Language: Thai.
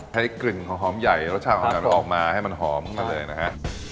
ให้กลิ่นของหอมใหญ่รสชาติหอมออกมาให้มันหอมขึ้นมาเลยนะฮะ